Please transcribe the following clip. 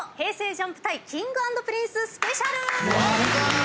ＪＵＭＰＶＳＫｉｎｇ＆Ｐｒｉｎｃｅスペシャル！